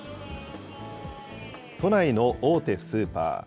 都内の大手スーパー。